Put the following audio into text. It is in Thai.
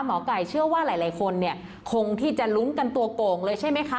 หมอไก่เชื่อว่าหลายคนเนี่ยคงที่จะลุ้นกันตัวโก่งเลยใช่ไหมคะ